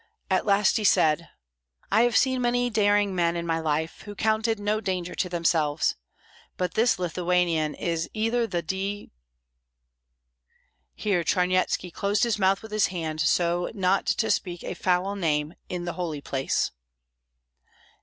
At last he said, "I have seen many daring men in my life, who counted no danger to themselves; but this Lithuanian is either the D " Here Charnyetski closed his mouth with his hand, so not to speak a foul name in the holy place.